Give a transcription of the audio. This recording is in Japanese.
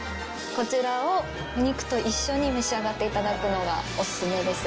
こちらをお肉と一緒に召し上がっていただくのがオススメです。